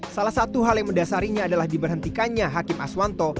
salah satu hal yang mendasarinya adalah diberhentikannya hakim aswanto